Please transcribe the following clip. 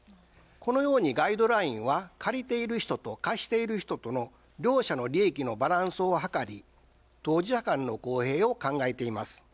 このようにガイドラインは借りている人と貸している人との両者の利益のバランスを図り当事者間の公平を考えています。